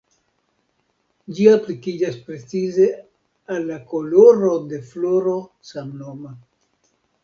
Ĝi aplikiĝas precize al la koloro de floro samnoma.